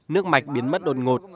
nước mạch biến mất đột ngột